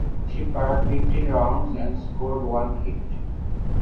She fired fifteen rounds and scored one hit.